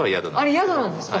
あれ宿なんですか？